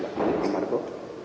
dan timnya kita akan siapkan